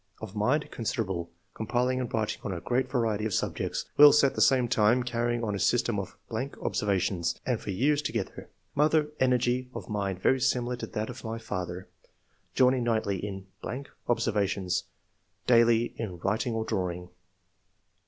] Of mind — considerable, compiling and writing on a great variety of subjects, whilst at the same time carrying on a system of ... observations, and for years together. Mother — Energy of mind very similar to that of my father; joining nightly in ... obser vations, daily in writing or drawing